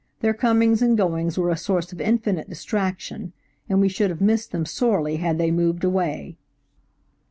Their comings and goings were a source of infinite distraction, and we should have missed them sorely had they moved away.